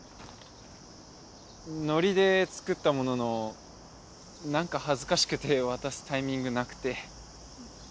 ノリで作ったもののなんか恥ずかしくて渡すタイミングなくて。